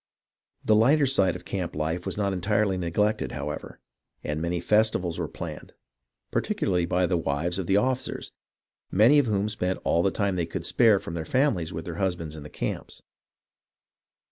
The Hghter side of camp life was not entirely neglected, however, and many festivals were planned, particularly by the wives of the officers, many of whom spent all the time they could spare from their families with their husbands in the camps.